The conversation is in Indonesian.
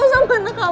kalau sama anak kamu